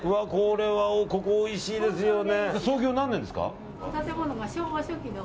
ここおいしいですよね。